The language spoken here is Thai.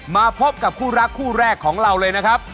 มาพบกับคู่รักคู่แรกของเราเลยนะครับ